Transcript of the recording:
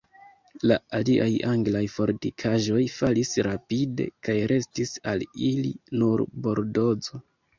La aliaj anglaj fortikaĵoj falis rapide, kaj restis al ili nur Bordozo.